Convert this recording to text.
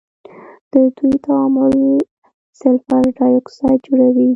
د دوی تعامل سلفر ډای اکسايډ جوړوي.